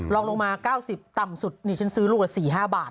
ลงมา๙๐ต่ำสุดนี่ฉันซื้อลูกละ๔๕บาท